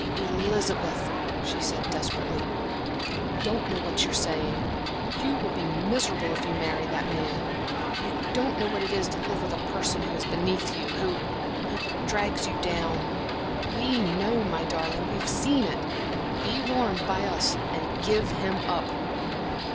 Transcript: "Elizabeth," she said, desperately, "you don't know what you're saying. You will be miserable if you marry that man. You don't know what it is to live with a person who is beneath you, who who drags you down. We know, my darling, we have seen it. Be warned by us, and give him up."